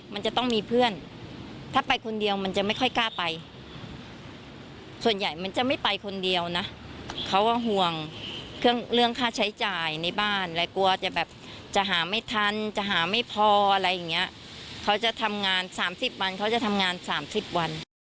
มันจะต้องมีเพื่อนถ้าไปคนเดียวมันจะไม่ค่อยกล้าไปส่วนใหญ่มันจะไม่ไปคนเดียวนะเขาก็ห่วงเรื่องค่าใช้จ่ายในบ้านและกลัวจะแบบจะหาไม่ทันจะหาไม่พออะไรอย่างเงี้ยเขาจะทำงานสามสิบวันเขาจะทำงานสามสิบวัน